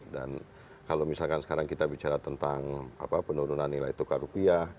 dan kalau misalkan sekarang kita bicara tentang penurunan nilai tukar rupiah